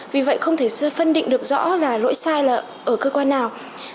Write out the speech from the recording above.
vì vậy không thể phân định được rõ là lỗi sai là ở cơ quan nào